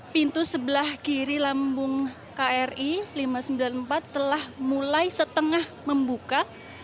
pintu sebelah kiri lambung kri lima ratus sembilan puluh empat telah mulai setengah membuka